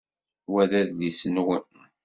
Wa d adlis-nwen?